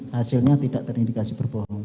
hasilnya tidak terindikasi berbohong